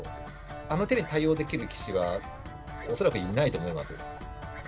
あの手に対応できる棋士は恐らくいないと思います。